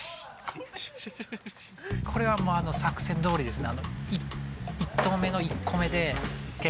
これはもう作戦どおりですね。